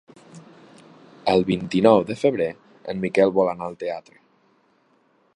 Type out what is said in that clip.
El vint-i-nou de febrer en Miquel vol anar al teatre.